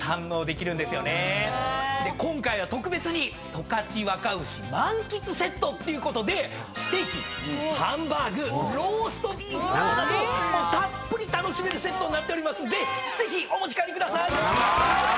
今回は特別に十勝若牛満喫セットっていうことでステーキハンバーグローストビーフなどなどたっぷり楽しめるセットになっておりますんでぜひお持ち帰りください！